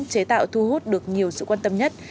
chế tạo thu hút được nhiều sự quan tâm nhất